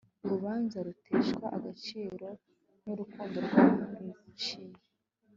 urubanza ruteshwa agaciro n urukiko rwaruciye